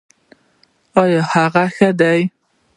ایا هغه ښه شو؟